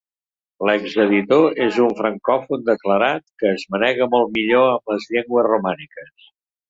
L'exeditor és un francòfon declarat que es manega molt millor amb les llengües romàniques.